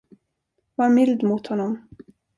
Var mild mot honom.